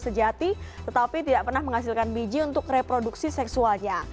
sejati tetapi tidak pernah menghasilkan biji untuk reproduksi seksualnya